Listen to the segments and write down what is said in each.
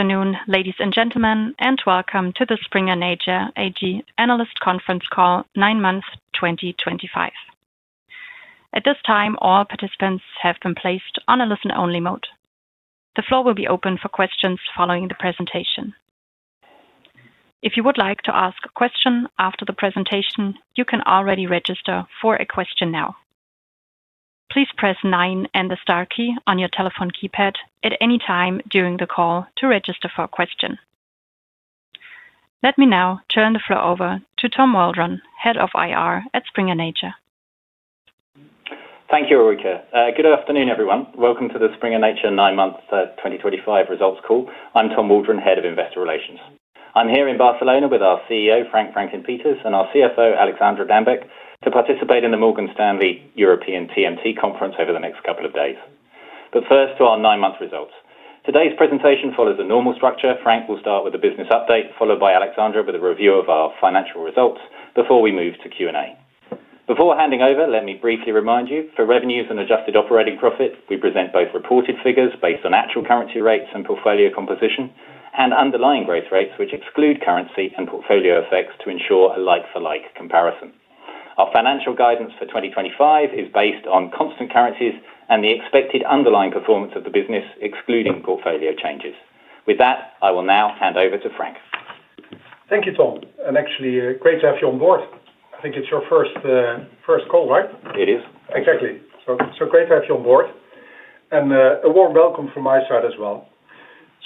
Afternoon, ladies and gentlemen, and welcome to the Springer Nature AG analyst conference call, nine month 2025. At this time, all participants have been placed on a listen-only mode. The floor will be open for questions following the presentation. If you would like to ask a question after the presentation, you can already register for a question now. Please press 9 and the star key on your telephone keypad at any time during the call to register for a question. Let me now turn the floor over to Tom Waldron, Head of Investor Relations at Springer Nature. Thank you, Eureka. Good afternoon, everyone. Welcome to the Springer Nature nine month 2025 results call. I'm Tom Waldron, Head of Investor Relations. I'm here in Barcelona with our CEO, Frank Vrancken Peeters, and our CFO, Alexandra Dambeck, to participate in the Morgan Stanley European TMT Conference over the next couple of days. First, to our nine month results. Today's presentation follows a normal structure. Frank will start with a business update, followed by Alexandra with a review of our financial results before we move to Q&A. Before handing over, let me briefly remind you, for revenues and adjusted operating profit, we present both reported figures based on actual currency rates and portfolio composition and underlying growth rates, which exclude currency and portfolio effects to ensure a like-for-like comparison. Our financial guidance for 2025 is based on constant currencies and the expected underlying performance of the business, excluding portfolio changes. With that, I will now hand over to Frank. Thank you, Tom. Actually, great to have you on board. I think it's your first call, right? It is. Exactly. Great to have you on board. A warm welcome from my side as well.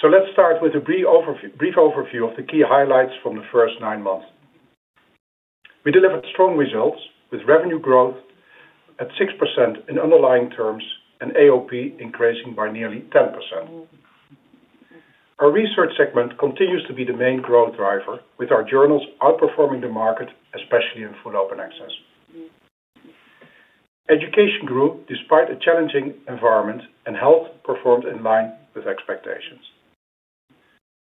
Let's start with a brief overview of the key highlights from the first nine months. We delivered strong results with revenue growth at 6% in underlying terms and AOP increasing by nearly 10%. Our research segment continues to be the main growth driver, with our journals outperforming the market, especially in full open access. Education grew despite a challenging environment and health performed in line with expectations.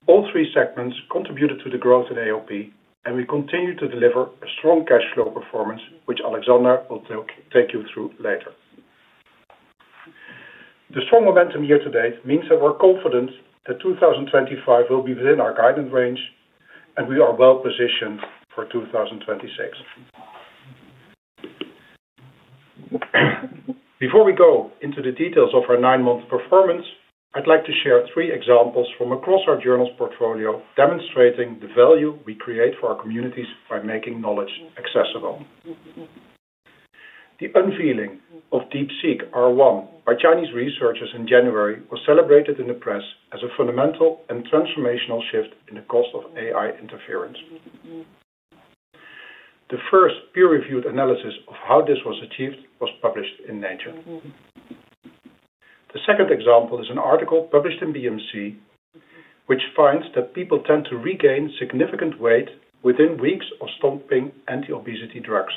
All three segments contributed to the growth in AOP, and we continue to deliver a strong cash flow performance, which Alexandra will take you through later. The strong momentum year to date means that we're confident that 2025 will be within our guidance range, and we are well positioned for 2026. Before we go into the details of our nine month performance, I'd like to share three examples from across our journals' portfolio demonstrating the value we create for our communities by making knowledge accessible. The unveiling of DeepSeek-R1 by Chinese researchers in January was celebrated in the press as a fundamental and transformational shift in the cost of AI interference. The first peer-reviewed analysis of how this was achieved was published in Nature. The second example is an article published in BMC, which finds that people tend to regain significant weight within weeks of stopping anti-obesity drugs,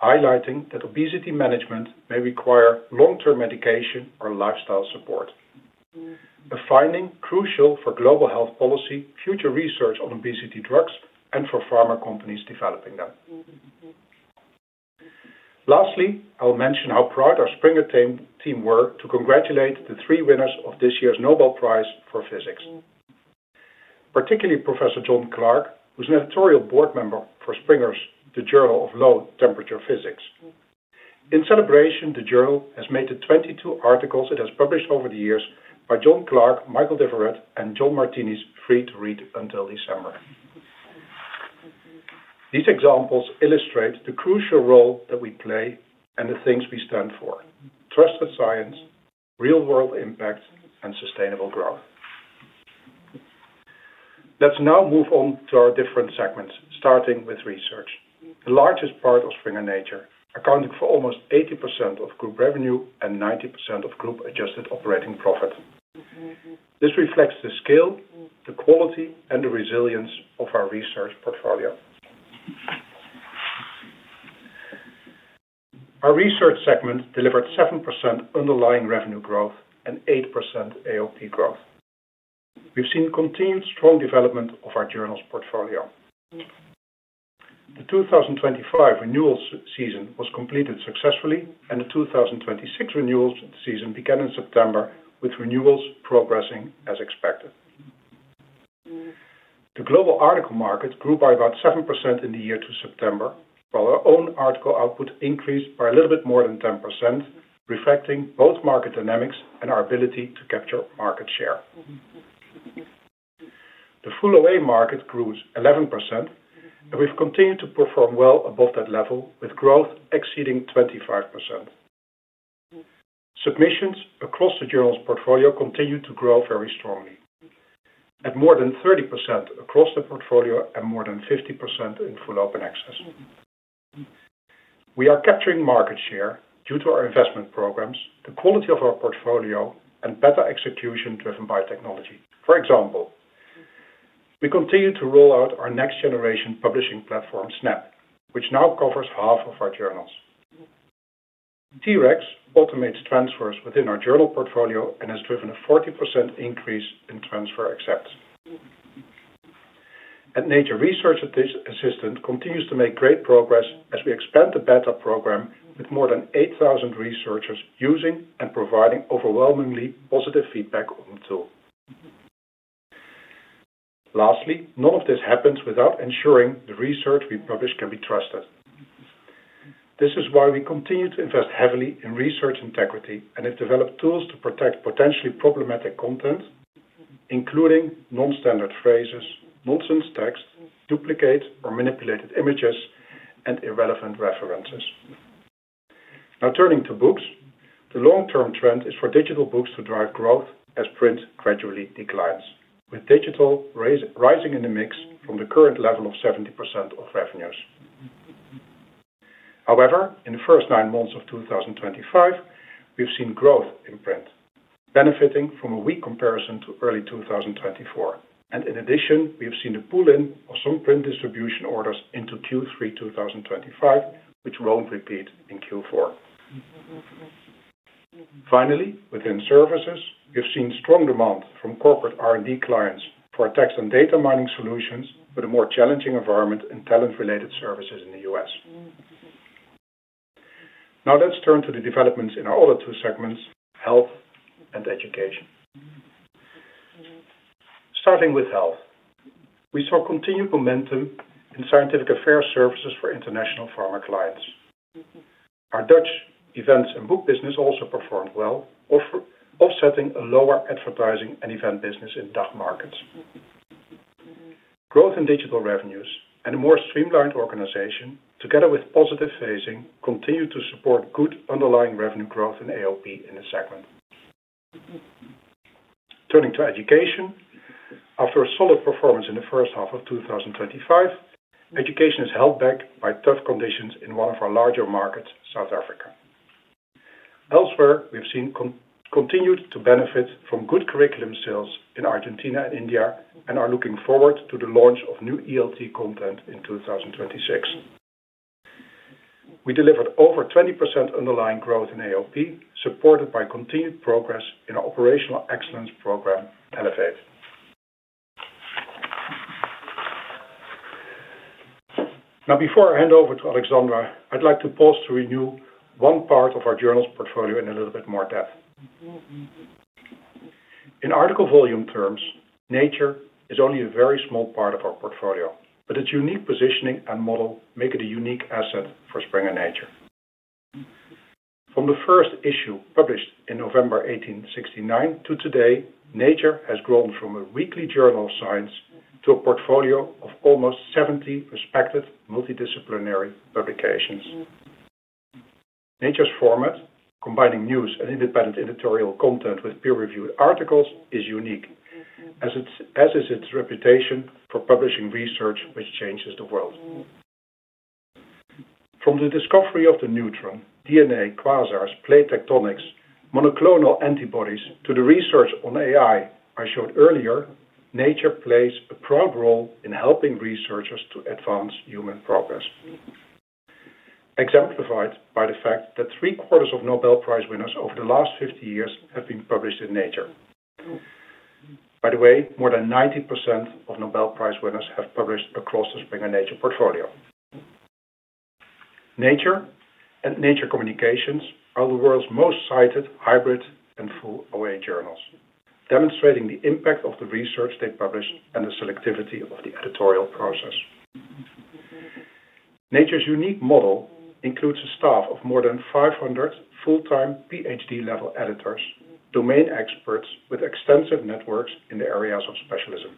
highlighting that obesity management may require long-term medication or lifestyle support, a finding crucial for global health policy, future research on obesity drugs, and for pharma companies developing them. Lastly, I'll mention how proud our Springer team were to congratulate the three winners of this year's Nobel Prize for Physics, particularly Professor John Clark, who's an editorial board member for Springer's The Journal of Low Temperature Physics. In celebration, the journal has made the 22 articles it has published over the years by John Clark, Michel Devoret, and John Martinez, free to read until December. These examples illustrate the crucial role that we play and the things we stand for: trusted science, real-world impact, and sustainable growth. Let's now move on to our different segments, starting with research. The largest part of Springer Nature accounted for almost 80% of group revenue and 90% of group adjusted operating profit. This reflects the scale, the quality, and the resilience of our research portfolio. Our research segment delivered 7% underlying revenue growth and 8% AOP growth. We've seen continued strong development of our journals' portfolio. The 2025 renewals season was completed successfully, and the 2026 renewals season began in September, with renewals progressing as expected. The global article market grew by about 7% in the year to September, while our own article output increased by a little bit more than 10%, reflecting both market dynamics and our ability to capture market share. The full open access market grew 11%, and we've continued to perform well above that level, with growth exceeding 25%. Submissions across the journals' portfolio continued to grow very strongly, at more than 30% across the portfolio and more than 50% in full open access. We are capturing market share due to our investment programs, the quality of our portfolio, and better execution driven by technology. For example, we continue to roll out our next-generation publishing platform, Snap, which now covers half of our journals. T-REX automates transfers within our journal portfolio and has driven a 40% increase in transfer accepts. Nature Research Assistant continues to make great progress as we expand the beta program with more than 8,000 researchers using and providing overwhelmingly positive feedback on the tool. Lastly, none of this happens without ensuring the research we publish can be trusted. This is why we continue to invest heavily in research integrity and have developed tools to protect potentially problematic content, including non-standard phrases, nonsense text, duplicate or manipulated images, and irrelevant references. Now turning to books, the long-term trend is for digital books to drive growth as print gradually declines, with digital rising in the mix from the current level of 70% of revenues. However, in the first nine months of 2025, we've seen growth in print, benefiting from a weak comparison to early 2024. In addition, we have seen the pooling of some print distribution orders into Q3 2025, which will not repeat in Q4. Finally, within services, we have seen strong demand from corporate R&D clients for text and data mining solutions for the more challenging environment and talent-related services in the US. Now let's turn to the developments in our other two segments, health and education. Starting with health, we saw continued momentum in scientific affairs services for international pharma clients. Our Dutch events and book business also performed well, offsetting a lower advertising and event business in DACH markets. Growth in digital revenues and a more streamlined organization, together with positive phasing, continue to support good underlying revenue growth in AOP in the segment. Turning to education, after a solid performance in the first half of 2025, education is held back by tough conditions in one of our larger markets, South Africa. Elsewhere, we have continued to benefit from good curriculum sales in Argentina and India and are looking forward to the launch of new ELT content in 2026. We delivered over 20% underlying growth in AOP, supported by continued progress in our operational excellence program, ELEVATE. Now, before I hand over to Alexandra, I'd like to pause to renew one part of our journals' portfolio in a little bit more depth. In article volume terms, Nature is only a very small part of our portfolio, but its unique positioning and model make it a unique asset for Springer Nature. From the first issue published in November 1869 to today, Nature has grown from a weekly journal of science to a portfolio of almost 70 respected multidisciplinary publications. Nature's format, combining news and independent editorial content with peer-reviewed articles, is unique, as is its reputation for publishing research which changes the world. From the discovery of the neutron, DNA, quasars, plate tectonics, monoclonal antibodies, to the research on AI I showed earlier, Nature plays a proud role in helping researchers to advance human progress, exemplified by the fact that three-quarters of Nobel Prize winners over the last 50 years have been published in Nature. By the way, more than 90% of Nobel Prize winners have published across the Springer Nature portfolio. Nature and Nature Communications are the world's most cited hybrid and full open access journals, demonstrating the impact of the research they publish and the selectivity of the editorial process. Nature's unique model includes a staff of more than 500 full-time PhD-level editors, domain experts with extensive networks in the areas of specialism.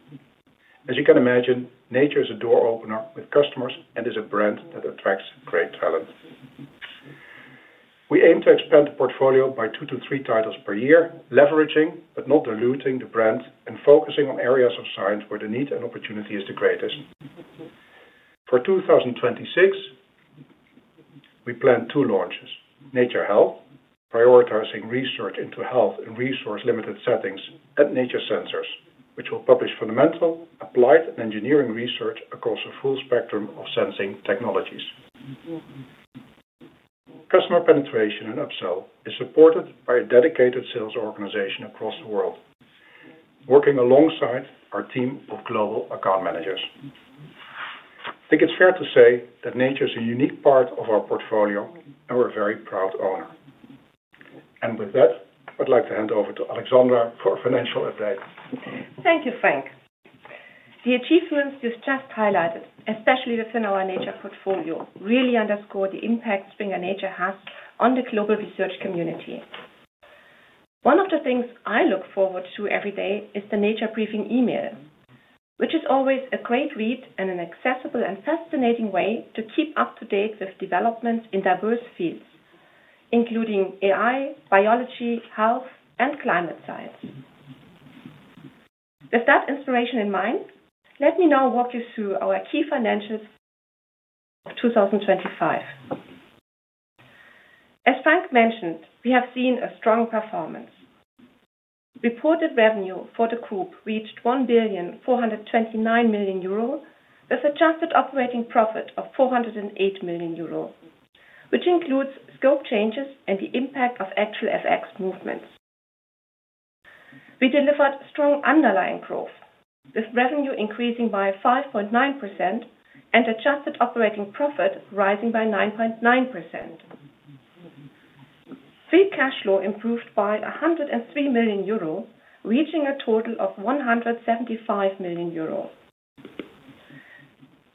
As you can imagine, Nature is a door opener with customers and is a brand that attracts great talent. We aim to expand the portfolio by two to three titles per year, leveraging but not diluting the brand and focusing on areas of science where the need and opportunity is the greatest. For 2026, we plan two launches: Nature Health, prioritizing research into health in resource-limited settings, and Nature Sensors, which will publish fundamental, applied, and engineering research across a full spectrum of sensing technologies. Customer penetration in upsell is supported by a dedicated sales organization across the world, working alongside our team of global account managers. I think it's fair to say that Nature is a unique part of our portfolio and we're a very proud owner. With that, I'd like to hand over to Alexandra for a financial update. Thank you, Frank. The achievements you have just highlighted, especially within our Nature portfolio, really underscore the impact Springer Nature has on the global research community. One of the things I look forward to every day is the Nature briefing email, which is always a great read and an accessible and fascinating way to keep up to date with developments in diverse fields, including AI, biology, health, and climate science. With that inspiration in mind, let me now walk you through our key financials of 2025. As Frank mentioned, we have seen a strong performance. Reported revenue for the group reached 1,429 million euro, with an adjusted operating profit of 408 million euro, which includes scope changes and the impact of actual FX movements. We delivered strong underlying growth, with revenue increasing by 5.9% and adjusted operating profit rising by 9.9%. Free cash flow improved by 103 million euro, reaching a total of 175 million euro.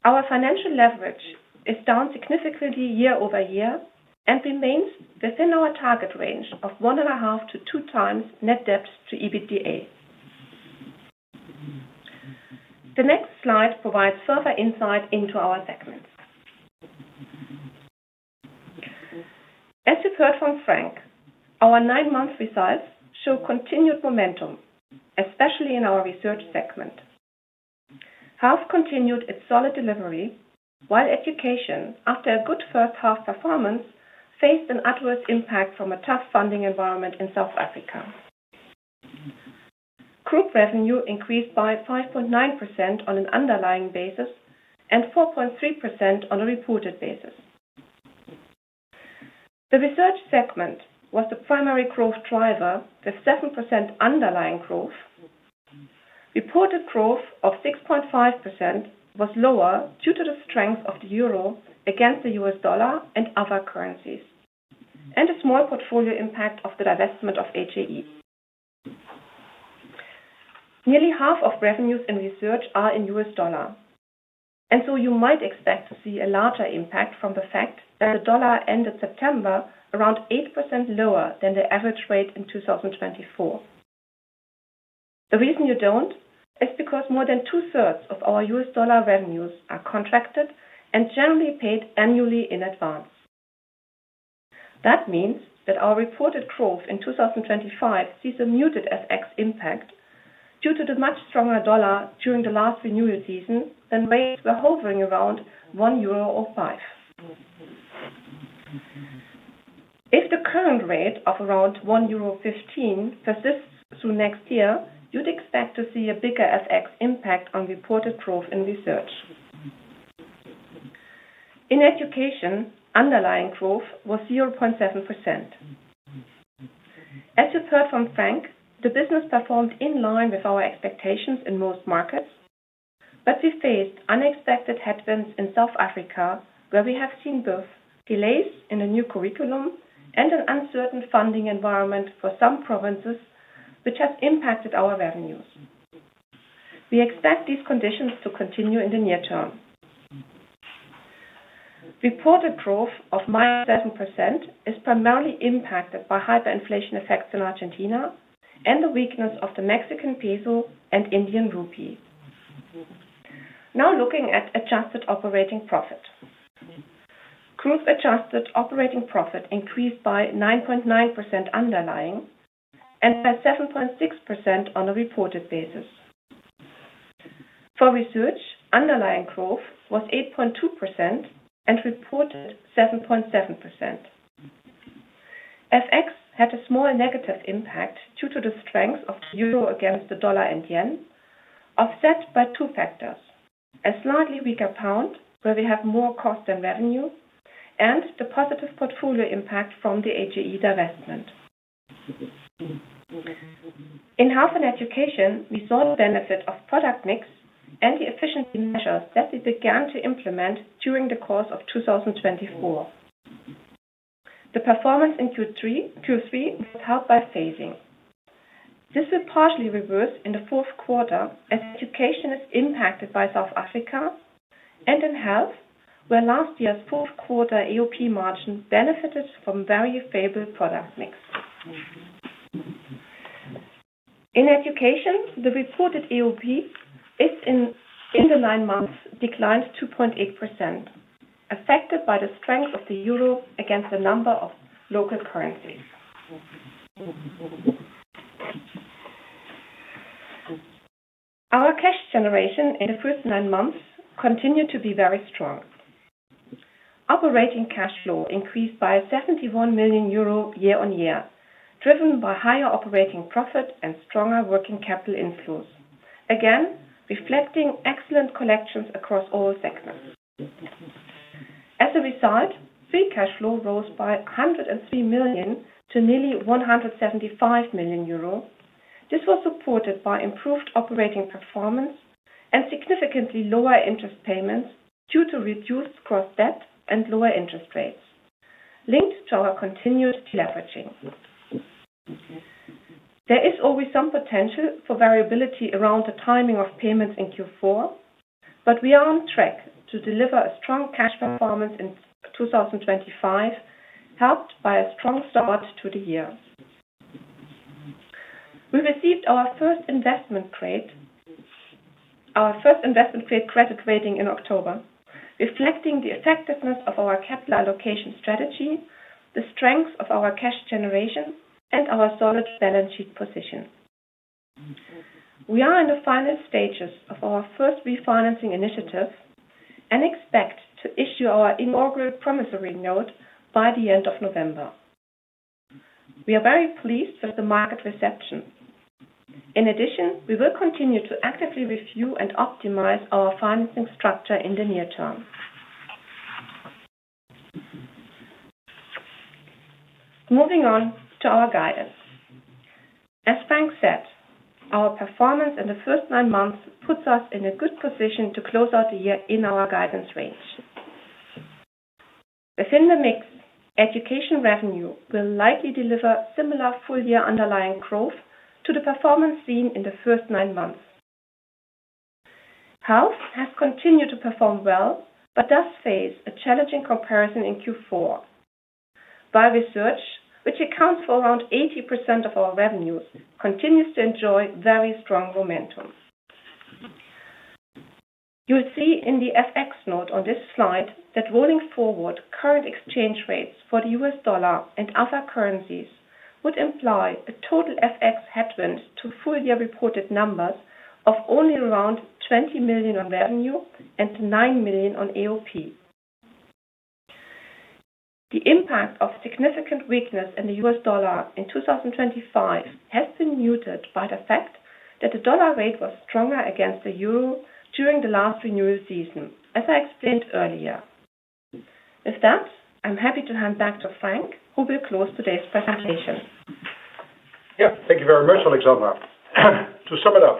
Our financial leverage is down significantly year over year and remains within our target range of one and a half to two times net debt to EBITDA. The next slide provides further insight into our segments. As you have heard from Frank, our nine-month results show continued momentum, especially in our research segment. Health continued its solid delivery, while education, after a good first-half performance, faced an adverse impact from a tough funding environment in South Africa. Group revenue increased by 5.9% on an underlying basis and 4.3% on a reported basis. The research segment was the primary growth driver, with 7% underlying growth. Reported growth of 6.5% was lower due to the strength of the euro against the US dollar and other currencies, and a small portfolio impact of the divestment of HAE. Nearly half of revenues in research are in US dollar, and so you might expect to see a larger impact from the fact that the dollar ended September around 8% lower than the average rate in 2024. The reason you do not is because more than two-thirds of our US dollar revenues are contracted and generally paid annually in advance. That means that our reported growth in 2025 sees a muted FX impact due to the much stronger dollar during the last renewal season than rates were hovering around 1.05 euro. If the current rate of around 1.15 euro persists through next year, you would expect to see a bigger FX impact on reported growth in research. In education, underlying growth was 0.7%. As you've heard from Frank, the business performed in line with our expectations in most markets, but we faced unexpected headwinds in South Africa, where we have seen both delays in a new curriculum and an uncertain funding environment for some provinces, which has impacted our revenues. We expect these conditions to continue in the near term. Reported growth of -7% is primarily impacted by hyperinflation effects in Argentina and the weakness of the Mexican peso and Indian rupee. Now looking at adjusted operating profit. Group adjusted operating profit increased by 9.9% underlying and by 7.6% on a reported basis. For research, underlying growth was 8.2% and reported 7.7%. FX had a small negative impact due to the strength of the euro against the dollar and yen, offset by two factors: a slightly weaker pound, where we have more cost than revenue, and the positive portfolio impact from the HAE divestment. In health and education, we saw the benefit of product mix and the efficiency measures that we began to implement during the course of 2024. The performance in Q3 was helped by phasing. This will partially reverse in the fourth quarter as education is impacted by South Africa and in health, where last year's fourth-quarter AOP margin benefited from very favorable product mix. In education, the reported AOP in the nine months declined 2.8%, affected by the strength of the euro against the number of local currencies. Our cash generation in the first nine months continued to be very strong. Operating cash flow increased by 71 million euro year-on-year, driven by higher operating profit and stronger working capital inflows, again reflecting excellent collections across all segments. As a result, free cash flow rose by 103 million to nearly 175 million euro. This was supported by improved operating performance and significantly lower interest payments due to reduced cross-debt and lower interest rates, linked to our continued leveraging. There is always some potential for variability around the timing of payments in Q4, but we are on track to deliver a strong cash performance in 2025, helped by a strong start to the year. We received our first investment grade, our first investment grade credit rating in October, reflecting the effectiveness of our capital allocation strategy, the strength of our cash generation, and our solid balance sheet position. We are in the final stages of our first refinancing initiative and expect to issue our inaugural promissory note by the end of November. We are very pleased with the market reception. In addition, we will continue to actively review and optimize our financing structure in the near term. Moving on to our guidance. As Frank said, our performance in the first nine months puts us in a good position to close out the year in our guidance range. Within the mix, education revenue will likely deliver similar full-year underlying growth to the performance seen in the first nine months. Health has continued to perform well but does face a challenging comparison in Q4. Bioresearch, which accounts for around 80% of our revenues, continues to enjoy very strong momentum. You'll see in the FX note on this slide that rolling forward current exchange rates for the US dollar and other currencies would imply a total FX headwind to full-year reported numbers of only around 20 million on revenue and 9 million on AOP. The impact of significant weakness in the US dollar in 2025 has been muted by the fact that the dollar rate was stronger against the euro during the last renewal season, as I explained earlier. With that, I'm happy to hand back to Frank, who will close today's presentation. Yeah, thank you very much, Alexandra. To sum it up,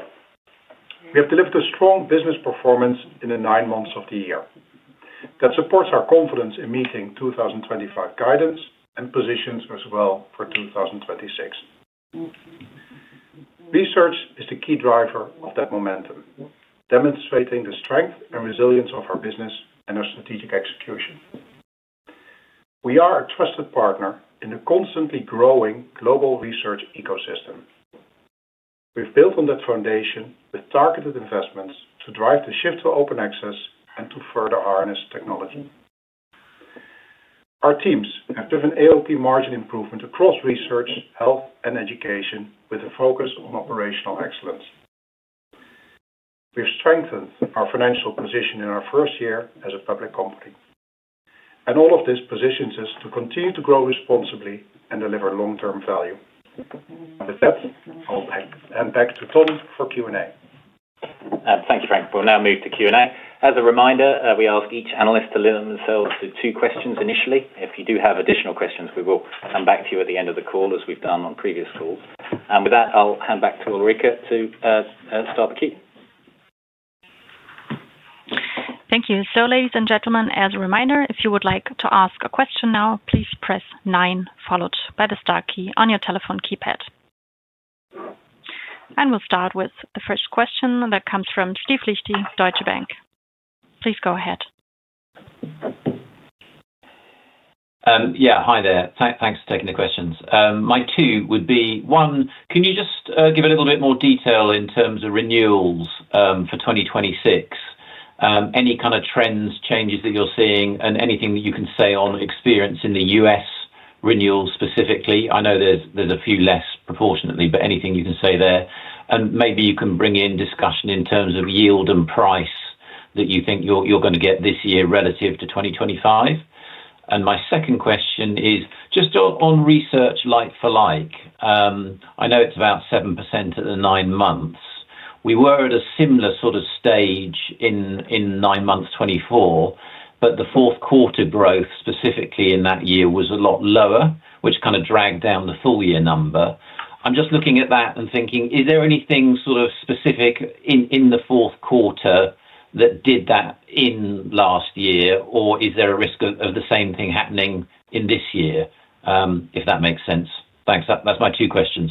we have delivered a strong business performance in the nine months of the year that supports our confidence in meeting 2025 guidance and positions us well for 2026. Research is the key driver of that momentum, demonstrating the strength and resilience of our business and our strategic execution. We are a trusted partner in the constantly growing global research ecosystem. We've built on that foundation with targeted investments to drive the shift to open access and to further harness technology. Our teams have driven AOP margin improvement across research, health, and education with a focus on operational excellence. We've strengthened our financial position in our first year as a public company, and all of this positions us to continue to grow responsibly and deliver long-term value. With that, I'll hand back to Tom for Q&A. Thank you, Frank. We will now move to Q&A. As a reminder, we ask each analyst to limit themselves to two questions initially. If you do have additional questions, we will come back to you at the end of the call, as we have done on previous calls. With that, I will hand back to Ulrika to start the Q&A. Thank you. Ladies and gentlemen, as a reminder, if you would like to ask a question now, please press nine, followed by the star key on your telephone keypad. We will start with the first question that comes from Steve Lichty, Deutsche Bank. Please go ahead. Yeah, hi there. Thanks for taking the questions. My two would be: one, can you just give a little bit more detail in terms of renewals for 2026? Any kind of trends, changes that you're seeing, and anything that you can say on experience in the U.S. renewals specifically? I know there's a few less proportionately, but anything you can say there? Maybe you can bring in discussion in terms of yield and price that you think you're going to get this year relative to 2025. My second question is just on research like for like. I know it's about 7% at the nine months. We were at a similar sort of stage in nine months 2024, but the fourth quarter growth specifically in that year was a lot lower, which kind of dragged down the full-year number. I'm just looking at that and thinking, is there anything sort of specific in the fourth quarter that did that in last year, or is there a risk of the same thing happening in this year, if that makes sense? Thanks. That's my two questions.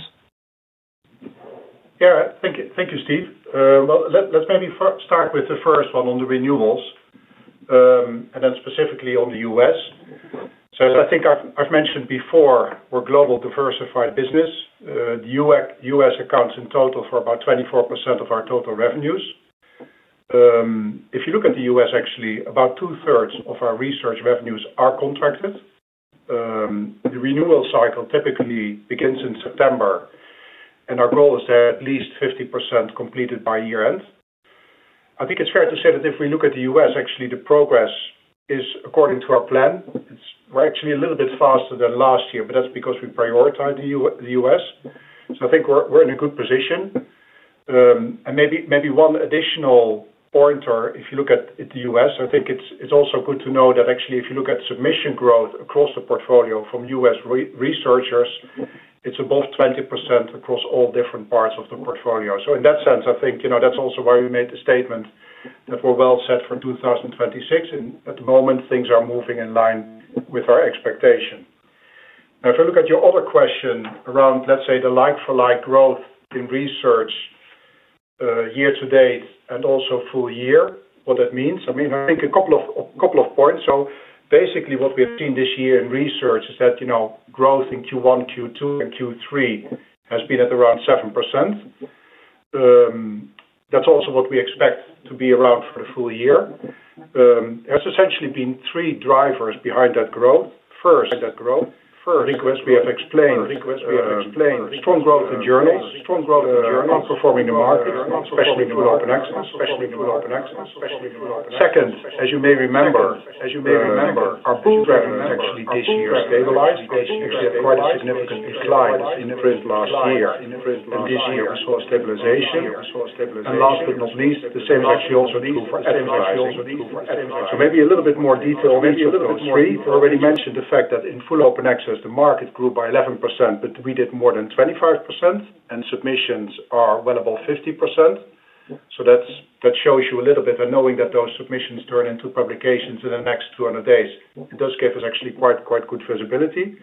Yeah, thank you, Steve. Let's maybe start with the first one on the renewals and then specifically on the U.S. As I think I've mentioned before, we're a global diversified business. The U.S. accounts in total for about 24% of our total revenues. If you look at the U.S., actually, about two-thirds of our research revenues are contracted. The renewal cycle typically begins in September, and our goal is to have at least 50% completed by year-end. I think it's fair to say that if we look at the U.S., actually, the progress is according to our plan. We're actually a little bit faster than last year, but that's because we prioritize the U.S. I think we're in a good position. Maybe one additional pointer, if you look at the U.S., I think it's also good to know that actually, if you look at submission growth across the portfolio from U.S. researchers, it's above 20% across all different parts of the portfolio. In that sense, I think that's also why we made the statement that we're well set for 2026, and at the moment, things are moving in line with our expectation. Now, if you look at your other question around, let's say, the like-for-like growth in research year to date and also full year, what that means, I mean, I think a couple of points. Basically, what we have seen this year in research is that growth in Q1, Q2, and Q3 has been at around 7%. That's also what we expect to be around for the full year. There's essentially been three drivers behind that growth. First. That growth. First, we have explained strong growth in journals, strong growth in journals, outperforming the markets, especially in full-open access, especially in full-open access. Second, as you may remember, our books revenues actually this year stabilized. We actually had quite a significant decline in the first last year, and this year we saw stabilization. Last but not least, the same actually also true for. Maybe a little bit more detail mentioned about three. We already mentioned the fact that in full-open access, the market grew by 11%, but we did more than 25%, and submissions are well above 50%. That shows you a little bit that knowing that those submissions turn into publications in the next 200 days, it does give us actually quite good visibility.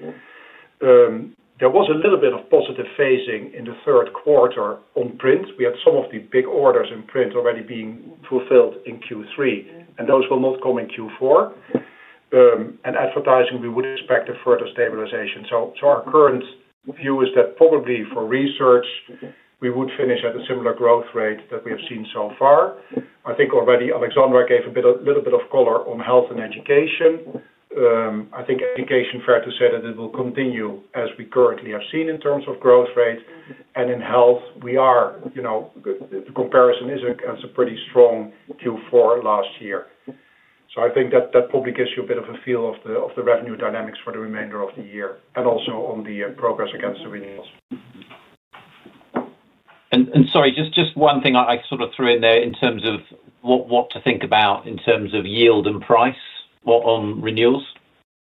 There was a little bit of positive phasing in the third quarter on print. We had some of the big orders in print already being fulfilled in Q3, and those will not come in Q4. Advertising, we would expect a further stabilization. Our current view is that probably for research, we would finish at a similar growth rate that we have seen so far. I think already Alexandra gave a little bit of color on health and education. I think education, fair to say that it will continue as we currently have seen in terms of growth rate. In health, we are the comparison is a pretty strong Q4 last year. I think that probably gives you a bit of a feel of the revenue dynamics for the remainder of the year and also on the progress against the renewals. Sorry, just one thing I sort of threw in there in terms of what to think about in terms of yield and price, what on renewals?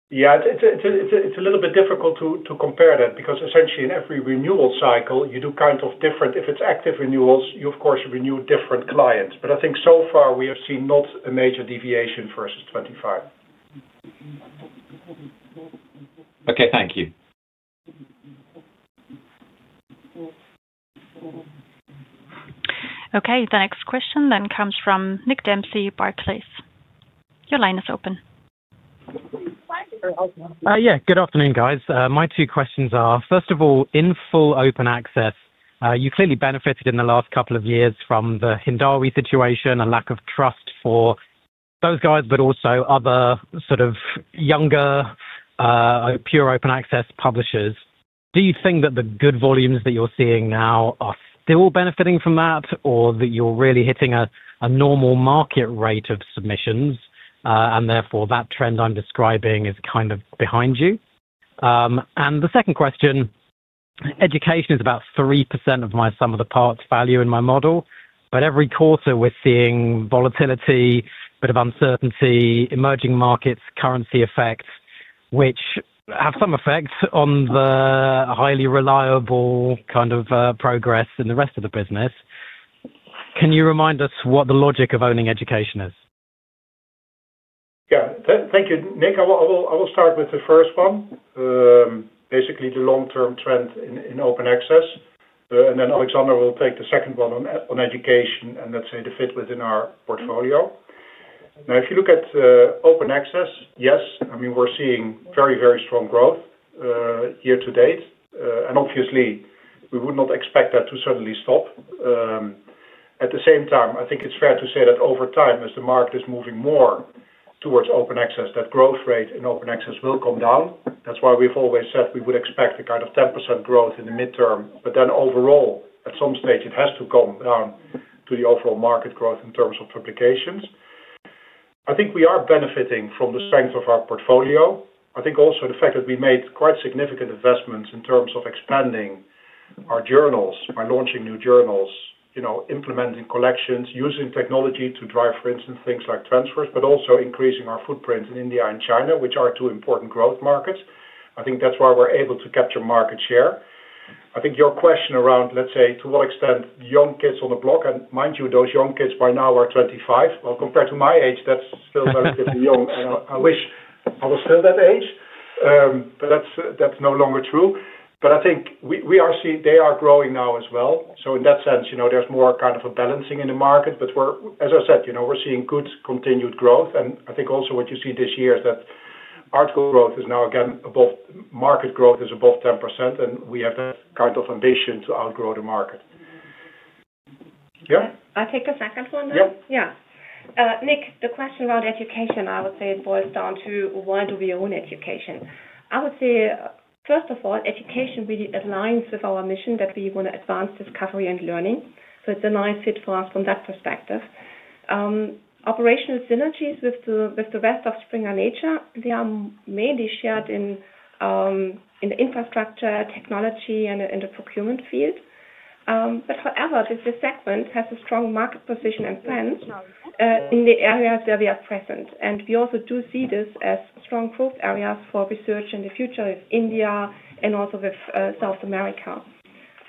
Yeah, it's a little bit difficult to compare that because essentially in every renewal cycle, you do kind of different if it's active renewals, you, of course, renew different clients. I think so far, we have seen not a major deviation versus 2025. Okay, thank you. Okay, the next question then comes from Nick Dempsey, Barclays. Your line is open. Yeah, good afternoon, guys. My two questions are, first of all, in full open access, you clearly benefited in the last couple of years from the Hindawi situation and lack of trust for those guys, but also other sort of younger pure open access publishers. Do you think that the good volumes that you're seeing now are still benefiting from that, or that you're really hitting a normal market rate of submissions and therefore that trend I'm describing is kind of behind you? The second question, education is about 3% of my sum of the parts value in my model, but every quarter we're seeing volatility, a bit of uncertainty, emerging markets, currency effects, which have some effect on the highly reliable kind of progress in the rest of the business. Can you remind us what the logic of owning education is? Yeah, thank you, Nick. I will start with the first one, basically the long-term trend in open access. Alexandra will take the second one on education and let's say the fit within our portfolio. Now, if you look at open access, yes, I mean, we're seeing very, very strong growth year to date. Obviously, we would not expect that to suddenly stop. At the same time, I think it's fair to say that over time, as the market is moving more towards open access, that growth rate in open access will come down. That's why we've always said we would expect a kind of 10% growth in the midterm, but then overall, at some stage, it has to come down to the overall market growth in terms of publications. I think we are benefiting from the strength of our portfolio. I think also the fact that we made quite significant investments in terms of expanding our journals, by launching new journals, implementing collections, using technology to drive, for instance, things like transfers, but also increasing our footprint in India and China, which are two important growth markets. I think that's why we're able to capture market share. I think your question around, let's say, to what extent young kids on the block, and mind you, those young kids by now are 25. Compared to my age, that's still relatively young, and I wish I was still that age, but that's no longer true. I think they are growing now as well. In that sense, there's more kind of a balancing in the market, but as I said, we're seeing good continued growth. I think also what you see this year is that our growth is now again above market, growth is above 10%, and we have that kind of ambition to outgrow the market. Yeah? I take a second on that. Yeah. Nick, the question around education, I would say it boils down to why do we own education? I would say, first of all, education really aligns with our mission that we want to advance discovery and learning. It is a nice fit for us from that perspective. Operational synergies with the rest of Springer Nature, they are mainly shared in the infrastructure, technology, and the procurement field. However, this segment has a strong market position and strength in the areas where we are present. We also do see this as strong growth areas for research in the future with India and also with South America.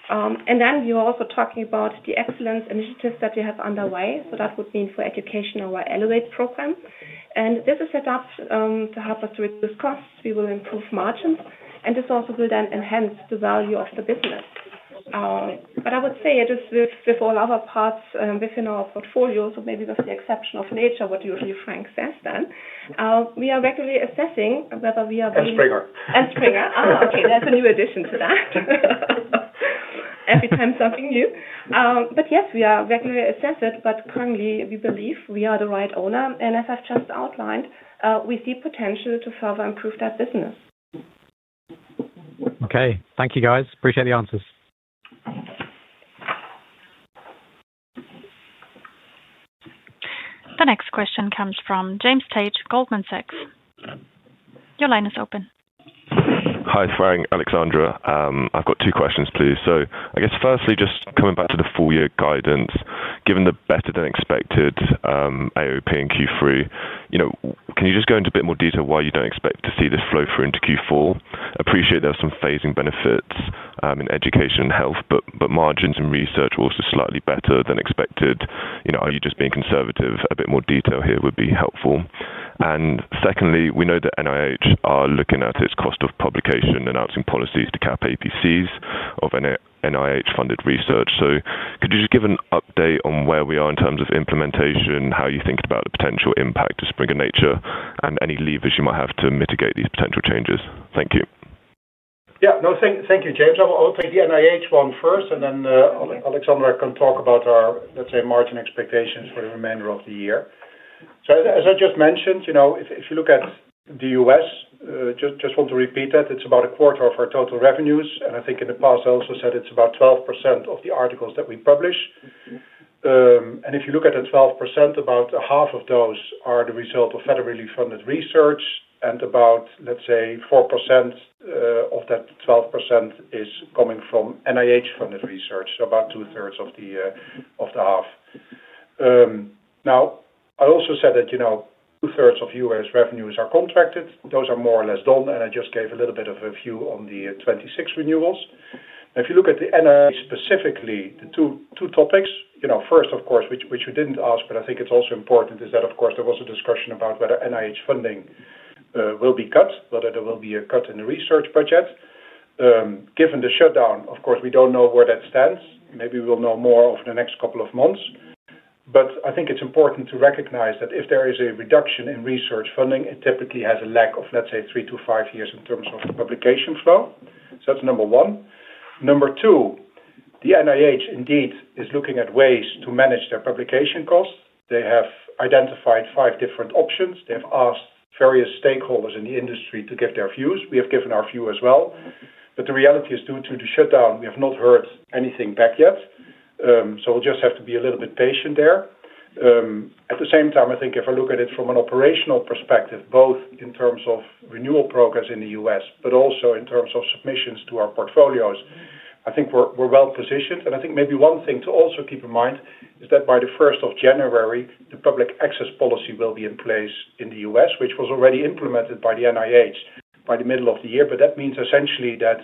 We are also talking about the excellence initiatives that we have underway. That would mean for education, our Elevate program. This is set up to help us to reduce costs. We will improve margins, and this also will then enhance the value of the business. I would say it is with all other parts within our portfolio, so maybe with the exception of Nature, what usually Frank says then. We are regularly assessing whether we are being. And Springer. Springer. Okay. There's a new addition to that. Every time something new. Yes, we are regularly assessed, but currently, we believe we are the right owner. As I've just outlined, we see potential to further improve that business. Okay, thank you, guys. Appreciate the answers. The next question comes from James Tate at Goldman Sachs. Your line is open. Hi, it's Frank, Alexandra. I've got two questions, please. I guess firstly, just coming back to the full-year guidance, given the better-than-expected AOP in Q3, can you just go into a bit more detail why you don't expect to see this flow through into Q4? I appreciate there are some phasing benefits in education and health, but margins in research are also slightly better than expected. Are you just being conservative? A bit more detail here would be helpful. Secondly, we know that NIH are looking at its cost of publication and announcing policies to cap APCs of NIH-funded research. Could you just give an update on where we are in terms of implementation, how you think about the potential impact on Springer Nature, and any levers you might have to mitigate these potential changes? Thank you. Yeah, no, thank you, James. I'll take the NIH one first, and then Alexandra can talk about our, let's say, margin expectations for the remainder of the year. As I just mentioned, if you look at the US, just want to repeat that it's about a quarter of our total revenues. I think in the past, I also said it's about 12% of the articles that we publish. If you look at the 12%, about half of those are the result of federally funded research, and about, let's say, 4% of that 12% is coming from NIH-funded research, so about two-thirds of the half. I also said that two-thirds of US revenues are contracted. Those are more or less done, and I just gave a little bit of a view on the 2026 renewals. If you look at the NIH specifically, the two topics, first, of course, which you didn't ask, but I think it's also important, is that, of course, there was a discussion about whether NIH funding will be cut, whether there will be a cut in the research budget. Given the shutdown, of course, we don't know where that stands. Maybe we'll know more over the next couple of months. I think it's important to recognize that if there is a reduction in research funding, it typically has a lag of, let's say, three to five years in terms of publication flow. That's number one. Number two, the NIH indeed is looking at ways to manage their publication costs. They have identified five different options. They have asked various stakeholders in the industry to give their views. We have given our view as well. The reality is, due to the shutdown, we have not heard anything back yet. We'll just have to be a little bit patient there. At the same time, I think if I look at it from an operational perspective, both in terms of renewal progress in the U.S., but also in terms of submissions to our portfolios, I think we're well positioned. I think maybe one thing to also keep in mind is that by the January 1st, the Public Access Policy will be in place in the U.S., which was already implemented by the NIH by the middle of the year. That means essentially that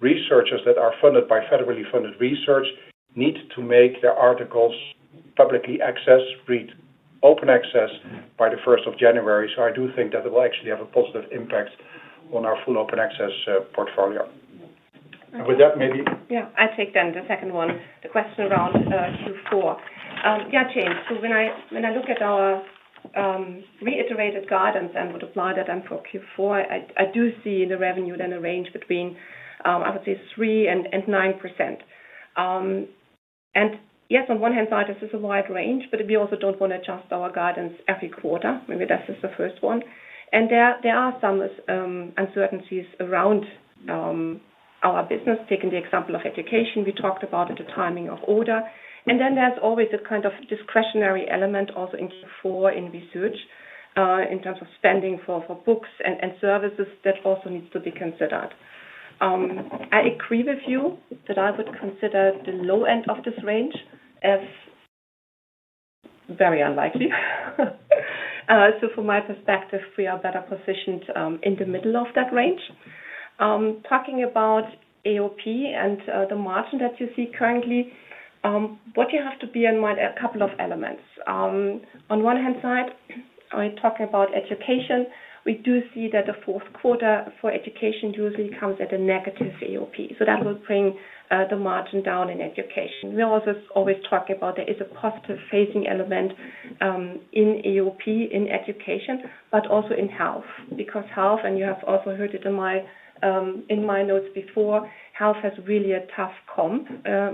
researchers that are funded by federally funded research need to make their articles publicly accessed, read open access by the January 1st. I do think that it will actually have a positive impact on our full open access portfolio. With that, maybe. Yeah, I take then the second one, the question around Q4. Yeah, James, so when I look at our reiterated guidance and would apply that then for Q4, I do see the revenue then a range between, I would say, 3%-9%. And yes, on one hand side, this is a wide range, but we also do not want to adjust our guidance every quarter. Maybe that is just the first one. There are some uncertainties around our business, taking the example of education we talked about at the timing of order. There is always a kind of discretionary element also in Q4 in research in terms of spending for books and services that also needs to be considered. I agree with you that I would consider the low end of this range as very unlikely. From my perspective, we are better positioned in the middle of that range. Talking about AOP and the margin that you see currently, what you have to bear in mind are a couple of elements. On one hand side, I talk about education. We do see that the fourth quarter for education usually comes at a negative AOP. That will bring the margin down in education. We also always talk about there is a positive phasing element in AOP in education, but also in health. Because health, and you have also heard it in my notes before, health has really a tough comp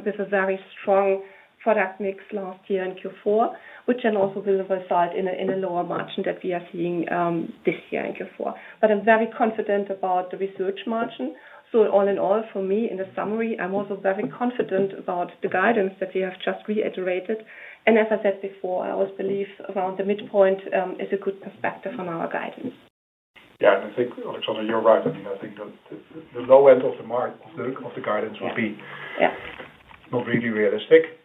with a very strong product mix last year in Q4, which then also will result in a lower margin that we are seeing this year in Q4. I am very confident about the research margin. All in all, for me, in the summary, I'm also very confident about the guidance that we have just reiterated. As I said before, I always believe around the midpoint is a good perspective on our guidance. Yeah, and I think, Alexandra, you're right. I mean, I think the low end of the guidance would be not really realistic.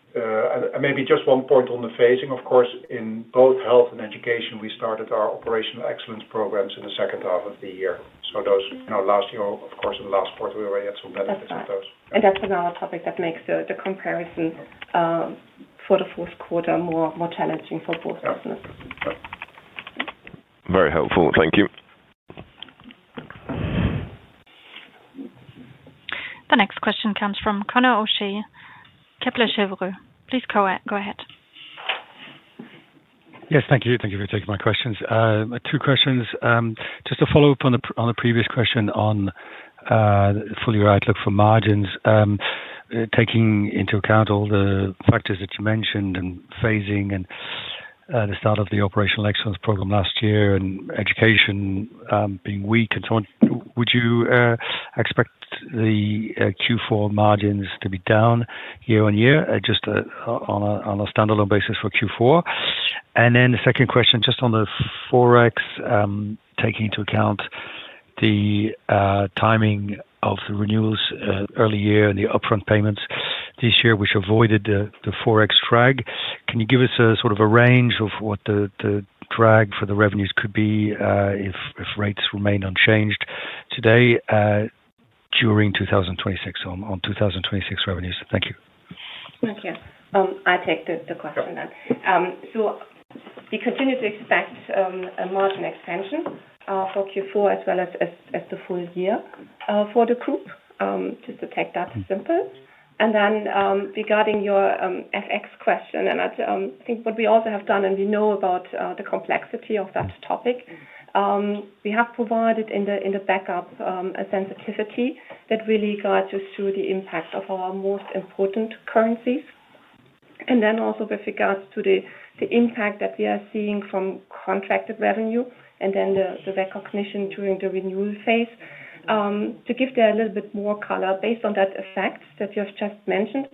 Maybe just one point on the phasing, of course, in both health and education, we started our operational excellence programs in the second half of the year. Last year, of course, in the last quarter, we already had some benefits of those. That's another topic that makes the comparison for the fourth quarter more challenging for both businesses. Very helpful. Thank you. The next question comes from Conor O'Shea Kepler Cheuvreux. Please go ahead. Yes, thank you. Thank you for taking my questions. Two questions. Just to follow up on the previous question on fully right look for margins, taking into account all the factors that you mentioned and phasing and the start of the Operational Excellence Program last year and education being weak and so on, would you expect the Q4 margins to be down year on year just on a standalone basis for Q4? The second question, just on the Forex, taking into account the timing of the renewals early year and the upfront payments this year, which avoided the Forex drag, can you give us a sort of a range of what the drag for the revenues could be if rates remain unchanged today during 2026 on 2026 revenues? Thank you. Thank you. I take the question then. We continue to expect a margin extension for Q4 as well as the full year for the group, just to take that simple. Regarding your FX question, I think what we also have done, and we know about the complexity of that topic, we have provided in the backup a sensitivity that really guides us through the impact of our most important currencies. Also, with regards to the impact that we are seeing from contracted revenue and the recognition during the renewal phase, to give there a little bit more color based on that effect that you have just mentioned.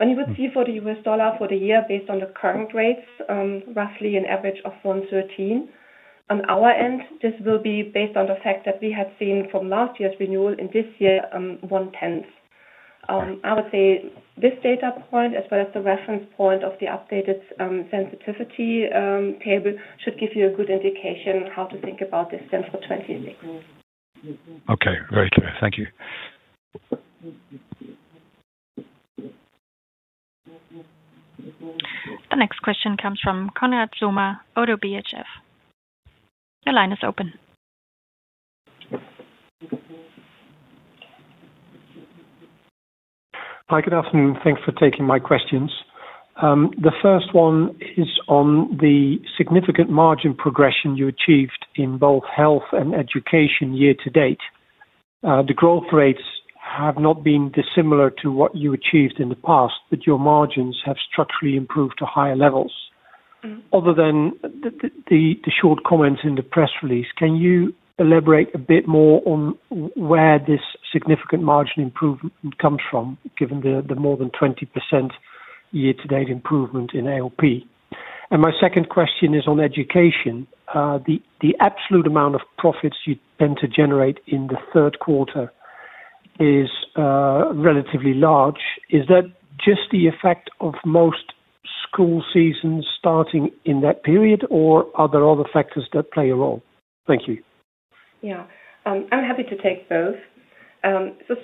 You would see for the US dollar for the year, based on the current rates, roughly an average of 113. On our end, this will be based on the fact that we had seen from last year's renewal in this year 110. I would say this data point, as well as the reference point of the updated sensitivity table, should give you a good indication how to think about this then for 2026. Okay, very clear. Thank you. The next question comes from Conrad Zoma, ODDO BHF. Your line is open. Hi, good afternoon. Thanks for taking my questions. The first one is on the significant margin progression you achieved in both health and education year to date. The growth rates have not been dissimilar to what you achieved in the past, but your margins have structurally improved to higher levels. Other than the short comments in the press release, can you elaborate a bit more on where this significant margin improvement comes from, given the more than 20% year-to-date improvement in AOP? My second question is on education. The absolute amount of profits you tend to generate in the third quarter is relatively large. Is that just the effect of most school seasons starting in that period, or are there other factors that play a role? Thank you. Yeah, I'm happy to take both.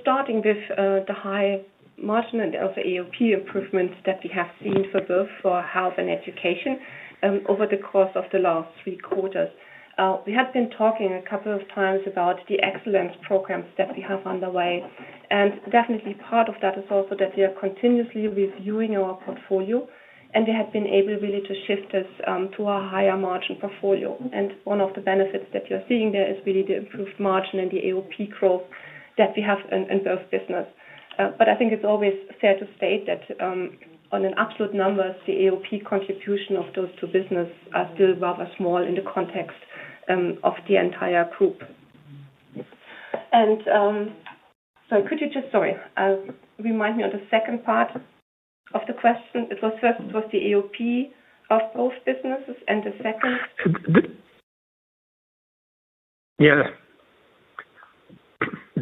Starting with the high margin and also AOP improvements that we have seen for both health and education over the course of the last three quarters. We have been talking a couple of times about the excellence programs that we have underway. Definitely, part of that is also that we are continuously reviewing our portfolio, and we have been able really to shift us to a higher margin portfolio. One of the benefits that you're seeing there is really the improved margin and the AOP growth that we have in both business. I think it's always fair to state that on absolute numbers, the AOP contribution of those two businesses are still rather small in the context of the entire group. Sorry, could you just, sorry, remind me of the second part of the question? It was first, it was the AOP of both businesses, and the second. Yeah.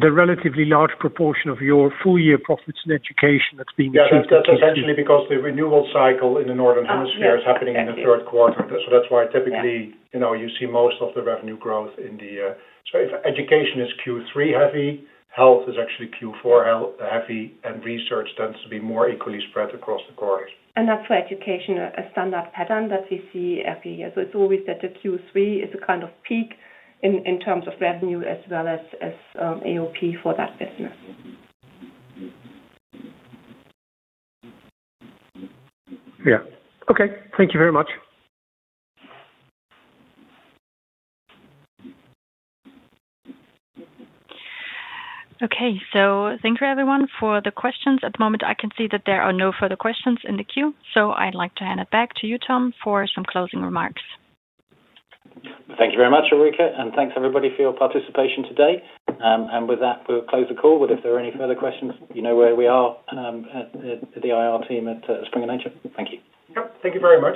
The relatively large proportion of your full-year profits in education that's being achieved. That's essentially because the renewal cycle in the northern hemisphere is happening in the third quarter. That's why typically you see most of the revenue growth in the, so if education is Q3 heavy, health is actually Q4 heavy, and research tends to be more equally spread across the quarters. That's for education, a standard pattern that we see every year. It's always that the Q3 is a kind of peak in terms of revenue as well as AOP for that business. Yeah. Okay. Thank you very much. Okay, so thank you, everyone, for the questions. At the moment, I can see that there are no further questions in the queue. I would like to hand it back to you, Tom, for some closing remarks. Thank you very much, Eureka. And thanks, everybody, for your participation today. With that, we'll close the call. If there are any further questions, you know where we are at the IR team at Springer Nature. Thank you. Yep, thank you very much.